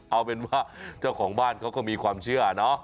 เอาเป็นว่าเจ้าของบ้านเขาก็มีความเชื่อเนอะ